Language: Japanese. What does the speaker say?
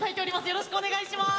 よろしくお願いします。